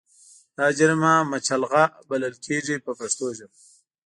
دا جریمه مچلغه بلل کېږي په پښتو ژبه.